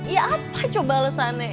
ya apa coba alesannya